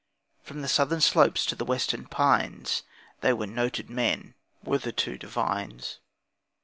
From the southern slopes to the western pines They were noted men, were the two Devines.